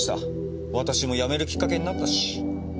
私も辞めるきっかけになったし。